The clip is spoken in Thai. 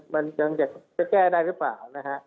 มันยังจะแก้ได้หรือเปล่านะฮะ